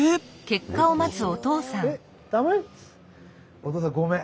お父さんごめん。